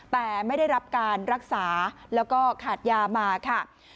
แต่ไม่ได้รับการรักษาแล้วก็ขาดยามาค่ะ